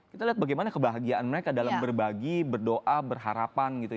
kita lihat bagaimana kebahagiaan mereka dalam berbagi berdoa berharapan gitu